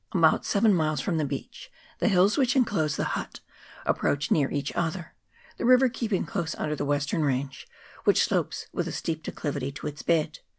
About seven miles from the beach the hills which enclose the Hutt approach near each other, the river keeping close under the western range, which slopes with a steep declivity to its bed.